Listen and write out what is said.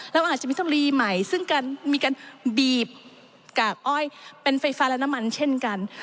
เราอาจจะไม่ต้องรีใหม่ซึ่งการมีการบีบกากอ้อยเป็นไฟฟ้าและน้ำมันเช่นกัน